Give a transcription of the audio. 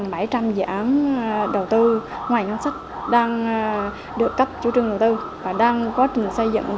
bảy trăm linh dự án đầu tư ngoài ngân sách đang được cấp chủ trương đầu tư và đang quá trình xây dựng